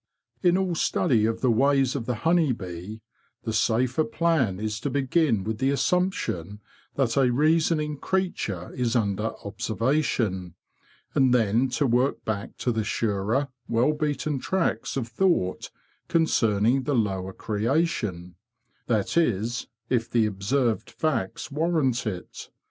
In all study of the ways of the honey bee, the safer plan is to begin with the assumption that a reasoning creature is under observation, and then to work back to the surer, well beaten tracks of thought concerning the lower creation—that is, if the observed facts warrant it.